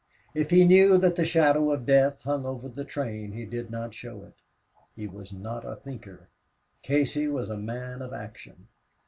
If he knew that the shadow of death hung over the train, he did not show it. He was not a thinker. Casey was a man of action.